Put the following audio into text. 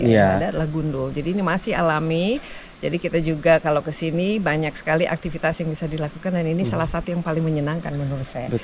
ini adalah gundul jadi ini masih alami jadi kita juga kalau kesini banyak sekali aktivitas yang bisa dilakukan dan ini salah satu yang paling menyenangkan menurut saya